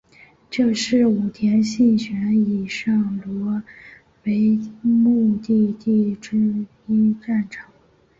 这是武田信玄以上洛为目的的一场战争。